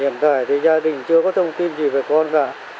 hiện tại thì gia đình chưa có thông tin gì về con cả